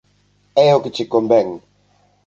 É o que che convén.